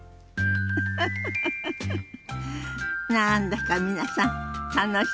フフフ何だか皆さん楽しそうね。